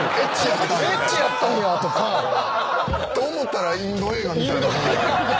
エッチやったんやとか。と思ったらインド映画みたいに。